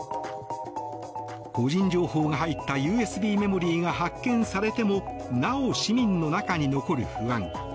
個人情報が入ったＵＳＢメモリーが発見されてもなお市民の中に残る不安。